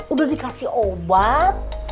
udah dikasih obat